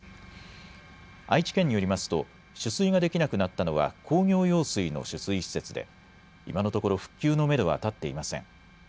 愛知県によりますと取水ができなくなったのは工業用水の取水施設で今のところ復旧のめどは立っていません。